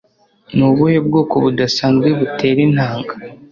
Ni ubuhe bwoko budasanzwe butera intanga,